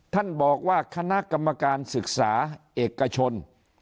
ท่านบอกว่าคณะกรรมการศึกษาเอกชน